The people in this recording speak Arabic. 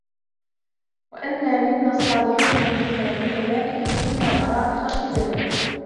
وأنا منا الصالحون ومنا دون ذلك كنا طرائق قددا